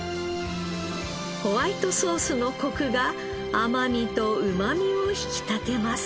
ホワイトソースのコクが甘みとうまみを引き立てます。